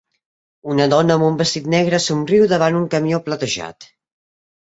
Una dona amb un vestit negre somriu davant d'un camió platejat.